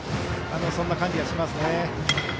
そんな感じがしますね。